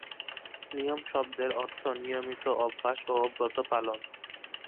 নিয়ম-শব্দের অর্থ নিয়মিত অভ্যাস ও ব্রত-পালন।